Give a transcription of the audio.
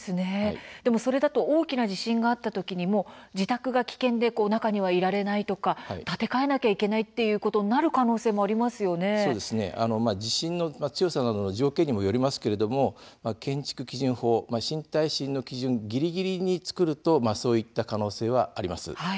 それだと大きな地震があった時に自宅が危険で中にいられないとか建て替えなきゃいけないという地震の強さなどの状況によりますけれども建築基準法、つまり新耐震の基準ぎりぎりに造るとそういった可能性もあるんです。